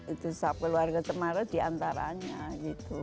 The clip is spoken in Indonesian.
itu keluarga cemara di antaranya gitu